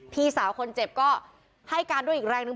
พี่สาวคนเจ็บก็ให้การด้วยอีกแรงหนึ่ง